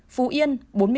phú yên bốn mươi một